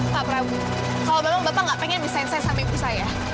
pak prabu kalau memang bapak nggak pengen desain saya sama ibu saya